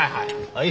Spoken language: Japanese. はい。